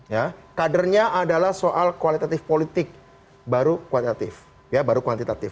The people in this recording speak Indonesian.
ya kadernya adalah soal kualitatif politik baru kualitatif ya baru kuantitatif